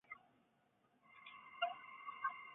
一般泛指欧洲东南部没有加入欧盟的国家。